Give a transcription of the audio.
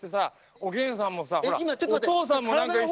おげんさんもさほらお父さんも何か一緒に。